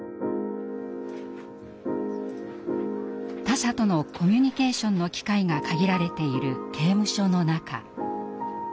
他者とのコミュニケーションの機会が限られている刑務所の中。